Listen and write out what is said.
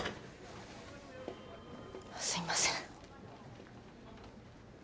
すいません。